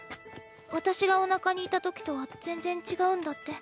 私がおなかにいた時とは全然違うんだって。